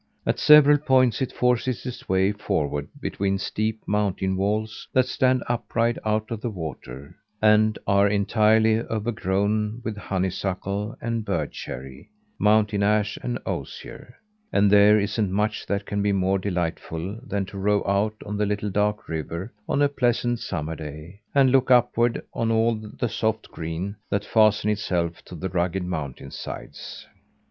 At several points it forces its way forward between steep mountain walls that stand upright out of the water, and are entirely overgrown with honeysuckle and bird cherry, mountain ash and osier; and there isn't much that can be more delightful than to row out on the little dark river on a pleasant summer day, and look upward on all the soft green that fastens itself to the rugged mountain sides.